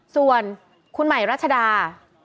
ส่วนคุณใหม่รัชดา